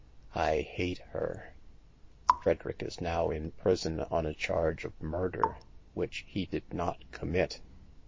I hate her ! Frederick is now in prison on a charge of murder, which he did not commit.